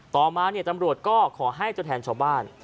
ต่อมาตำรวจก็ขอให้ตัวแทนชาวบ้าน